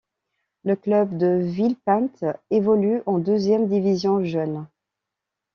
Le club de Villepinte évolue en deuxième division jeunes.